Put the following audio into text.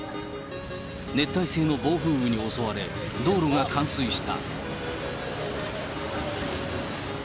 熱帯性の暴風雨に襲われ、道路が冠水した。